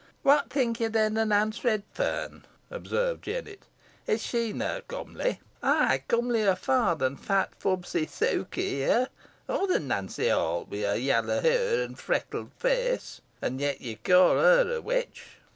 "What think ye then o' Nance Redferne?" observed Jennet. "Is she neaw comely? ay, comelier far than fat, fubsy Sukey here or than Nancy Holt, wi' her yallo hure an frecklet feace an yet ye ca' her a witch."